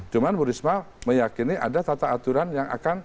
cuman burisma meyakini ada tata aturan yang akan